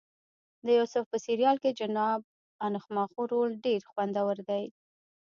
د یوسف په سریال کې د جناب انخماخو رول ډېر خوندور دی.